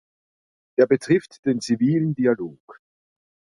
Er betrifft den zivilen Dialog.